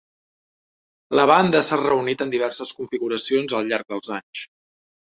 La banda s'ha reunit en diverses configuracions al llarg dels anys.